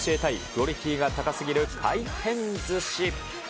クオリティーが高すぎる回転ずし。